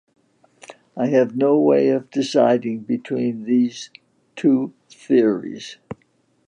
I have no way of deciding between these two theories.